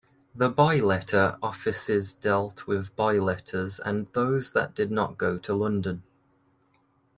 The bye-letter offices dealt with bye-letters and those that did not go to London.